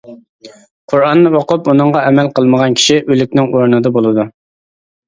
قۇرئاننى ئوقۇپ ئۇنىڭغا ئەمەل قىلمىغان كىشى ئۆلۈكنىڭ ئورنىدا بولىدۇ.